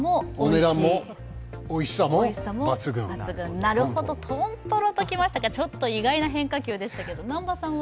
お値段も、おいしさも抜群、なるほど豚トロときましたか、意外な変化球でしたけれども、南波さんは？